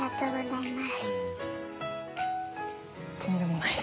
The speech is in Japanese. とんでもないです。